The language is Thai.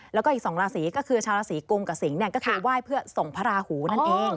แล้วก็อีก๒ราศีก็คือชาวราศีกุมกับสิงศ์ก็คือไหว้เพื่อส่งพระราหูนั่นเอง